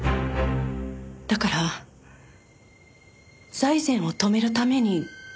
だから財前を止めるために車で。